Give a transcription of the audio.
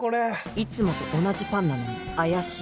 いつもと同じパンなのに怪しい。